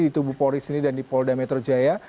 di tubuh polri sini dan di polda metro jaya